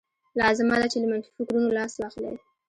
لازمه ده چې له منفي فکرونو لاس واخلئ.